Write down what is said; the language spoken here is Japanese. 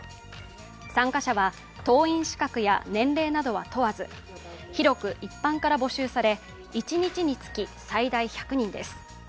参加者は党員資格や年齢などは問わず広く一般から募集され一日につき最大１００人です。